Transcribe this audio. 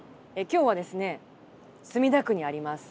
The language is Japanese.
今日はですね墨田区にあります